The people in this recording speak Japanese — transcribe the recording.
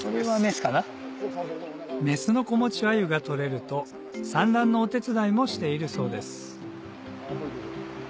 メスの子持ちアユが取れると産卵のお手伝いもしているそうです